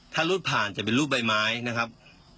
ถ้ารูดผ่านจะเป็นรูปใบไม้นะครับ